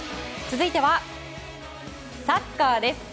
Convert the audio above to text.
続いてはサッカーです。